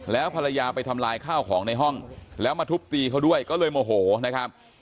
แล้วภรรยาไปทำลายข้าวของในห้องแล้วมาทุบตีเขาด้วยก็เลยโมโหนะครับ